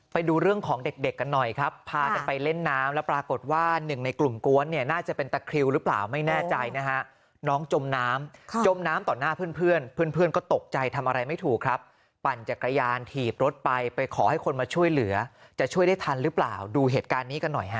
ไปดูเรื่องของเด็กเด็กกันหน่อยครับพากันไปเล่นน้ำแล้วปรากฏว่าหนึ่งในกลุ่มกวนเนี่ยน่าจะเป็นตะคริวหรือเปล่าไม่แน่ใจนะฮะน้องจมน้ำจมน้ำต่อหน้าเพื่อนเพื่อนก็ตกใจทำอะไรไม่ถูกครับปั่นจักรยานถีบรถไปไปขอให้คนมาช่วยเหลือจะช่วยได้ทันหรือเปล่าดูเหตุการณ์นี้กันหน่อยฮะ